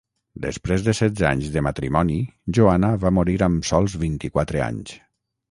Després de setze anys de matrimoni, Joana va morir amb sols vint-i-quatre anys.